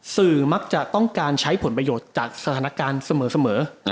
มักจะต้องการใช้ผลประโยชน์จากสถานการณ์เสมอ